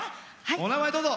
お名前、どうぞ。